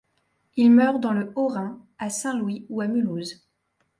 Il meurt dans le Haut-Rhin, à Saint-Louis ou à Mulhouse.